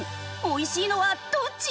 美味しいのはどっち！？